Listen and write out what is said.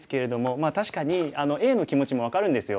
まあ確かにＡの気持ちも分かるんですよ。